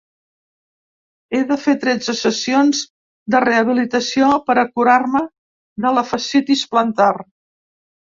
He de fer tretze sessions de rehabilitació per curar-me la fascitis plantar.